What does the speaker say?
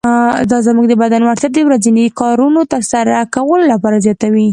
دا زموږ د بدن وړتیا د ورځنیو کارونو تر سره کولو لپاره زیاتوي.